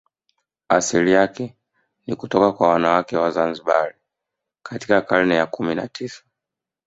Asili yake ni kutoka kwa wanawake wa Zanzibar katika karne ya kumi na tisa